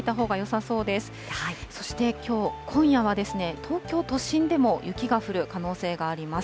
そしてきょう、今夜は東京都心でも雪が降る可能性があります。